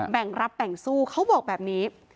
แบ่งรับแบ่งสู้เขาบอกแบบนี้